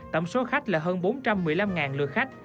tổng số khách là hơn bốn trăm một mươi năm lượt khách